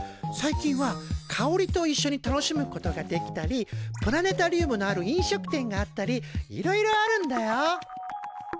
最近は香りといっしょに楽しむことができたりプラネタリウムのある飲食店があったりいろいろあるんだよ。